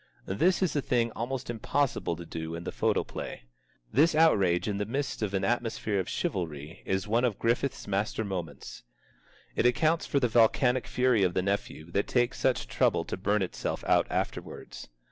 This is a thing almost impossible to do in the photoplay. This outrage in the midst of an atmosphere of chivalry is one of Griffith's master moments. It accounts for the volcanic fury of the nephew that takes such trouble to burn itself out afterwards.